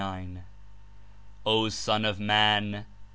"O Son of Man!